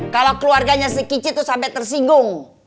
kalau keluarganya si kicit tuh sampe tersinggung